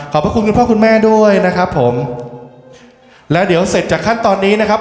พระคุณคุณพ่อคุณแม่ด้วยนะครับผมแล้วเดี๋ยวเสร็จจากขั้นตอนนี้นะครับ